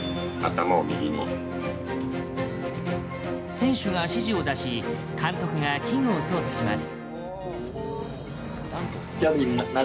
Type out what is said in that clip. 選手が指示を出し監督が、器具を操作します。